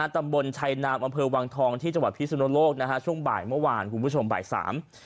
ตำบลชัยนามอำเภอวังทองที่จังหวัดพิสุนโลกนะฮะช่วงบ่ายเมื่อวานคุณผู้ชมบ่ายสาม